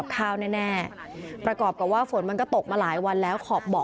อายุ๖ขวบซึ่งตอนนั้นเนี่ยเป็นพี่ชายมารอเอาน้องชายไปอยู่ด้วยหรือเปล่าเพราะว่าสองคนนี้เขารักกันมาก